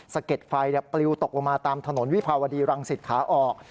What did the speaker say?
เก็ดไฟปลิวตกลงมาตามถนนวิภาวดีรังสิตขาออก